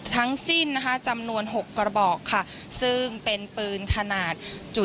ทั้งสิ้นจำนวน๖กระบอกซึ่งเป็นปืนขนาด๓๘๐